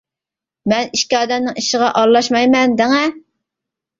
مەن ئىككى ئادەمنىڭ ئىشىغا ئارىلاشمايمەن دەڭە.